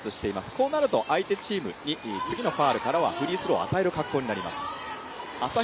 こうなると相手チームに次のファウルからはフリースローを与える格好になります。